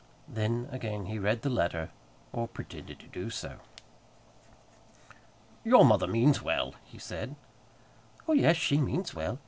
Then again he read the letter, or pretended to do so. "Your mother means well," he said. "Oh, yes, she means well.